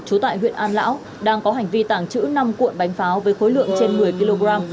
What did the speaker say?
trú tại huyện an lão đang có hành vi tàng trữ năm cuộn bánh pháo với khối lượng trên một mươi kg